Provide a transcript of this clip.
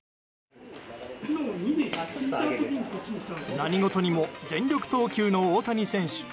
何事も全力投球の大谷選手。